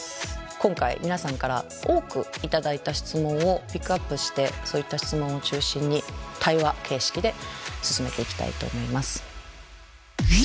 今回皆さんから多く頂いた質問をピックアップしてそういった質問を中心に対話形式で進めていきたいと思います。